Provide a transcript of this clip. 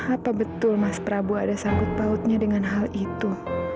apa betul mas prabu ada sangkut pautnya dengan hal itu